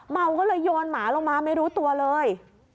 เมาก็เลยโยนหมาลงมาไม่รู้ตัวเลย